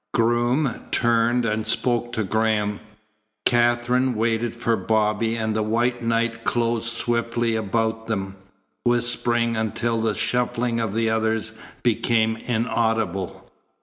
Groom turned and spoke to Graham. Katherine waited for Bobby, and the white night closed swiftly about them, whispering until the shuffling of the others became inaudible.